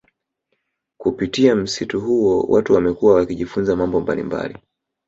Kupitia msitu huo watu wamekuwa wakijifunza mambo mbalimbali